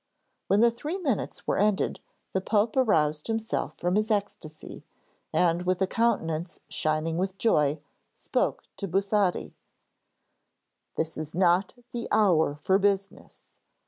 When the three minutes were ended the Pope aroused himself from his ecstasy, and with a countenance shining with joy, spoke to Busotti: 'This is not the hour for business.